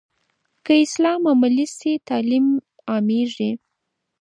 که اسلام عملي سي، تعلیم عامېږي.